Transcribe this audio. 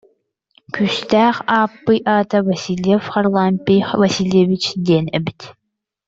Күүстээх Ааппый аата Васильев Харлампий Васильевич диэн эбит